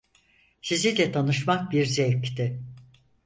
Sizinle tanışmak bir zevkti.